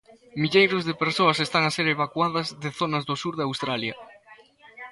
Milleiros de persoas están a ser evacuadas de zonas do sur de Australia.